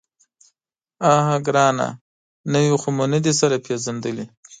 _اه ګرانه! نوي خو مو نه دي سره پېژندلي.